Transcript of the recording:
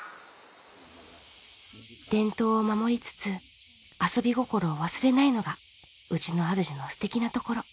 伝統を守りつつ遊び心を忘れないのがうちのあるじのすてきなところ。